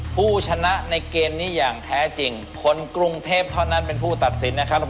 ผู้ชนะในเกมนี้อย่างแท้จริงคนกรุงเทพเท่านั้นเป็นผู้ตัดสินนะครับ